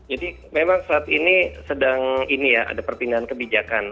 jadi memang saat ini sedang ini ya ada perpindahan kebijakan